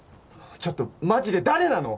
ちょっとマジで誰なの？